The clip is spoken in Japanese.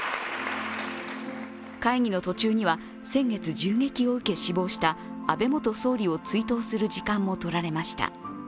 会議の途中には先月銃撃を受け死亡した安倍元総理を追悼する時間もとられました。